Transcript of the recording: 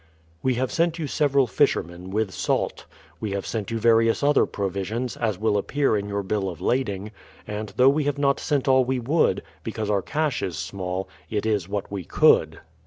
We have sent you several fishermen, with salt. ... ^^'e have sent you various other provisions, as will appear in your bill of lading, and though we have not sent all we would, because our cash is small, it is what we could.